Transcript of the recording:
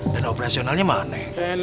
dan operasionalnya maneng